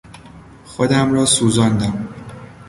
خودم را سوزاندم.